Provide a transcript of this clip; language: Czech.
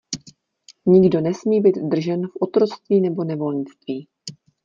Nikdo nesmí být držen v otroctví nebo nevolnictví.